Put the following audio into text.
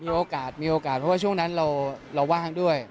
มีโอกาสมีโอกาสเพราะว่าช่วงนั้นเราว่างด้วย